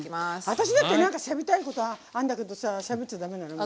私だってなんかしゃべりたいことあんだけどさしゃべっちゃダメなの？